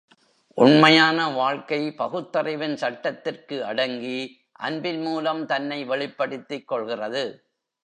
உண்மையான வாழ்க்கை பகுத்தறிவின் சட்டத்திற்கு அடங்கி, அன்பின் மூலம் தன்னை வெளிப்படுத்திக் கொள்கிறது.